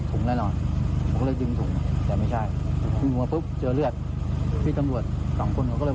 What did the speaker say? ผมมาพึ่งท่าคนมานะเขาบอกเนี้ย